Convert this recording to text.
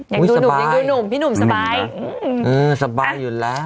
อยากดูหนุ่มพี่หนุ่มสบายสบายอยู่แล้ว